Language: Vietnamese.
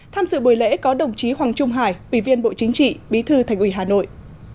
tham dự buổi lễ có đồng chí hoàng trung hải ủy viên bộ chính trị bí thư thành ủy hà nội